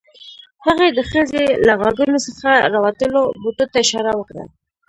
هغې د ښځې له غوږونو څخه راوتلو بوټو ته اشاره وکړه